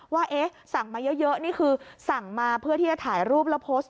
ว่าเอ๊ะสั่งมาเยอะนี่คือสั่งมาเพื่อที่จะถ่ายรูปแล้วโพสต์